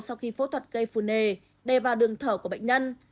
sau khi phẫu thuật gây phù nề đè vào đường thở của bệnh nhân